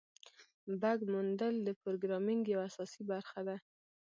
بګ موندل د پروګرامینګ یوه اساسي برخه ده.